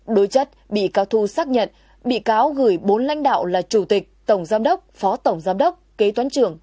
đối chất bị cáo thu xác nhận bị cáo gửi bốn lãnh đạo là chủ tịch tổng giám đốc phó tổng giám đốc kế toán trưởng